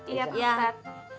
iya pak ustad